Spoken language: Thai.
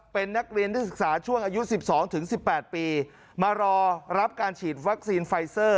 เป็นนักเรียนนักศึกษาช่วงอายุ๑๒๑๘ปีมารอรับการฉีดวัคซีนไฟเซอร์